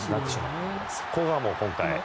そこが今回。